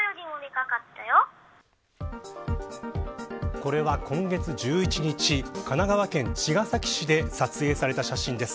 これは今月１１日神奈川県茅ヶ崎市で撮影された写真です。